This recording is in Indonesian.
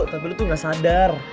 tapi lu tuh gak sadar